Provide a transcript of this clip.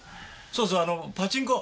そうそうあのパチンコ。